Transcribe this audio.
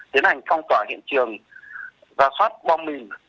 tiến hành phong tỏa hiện trường và xoát bom mình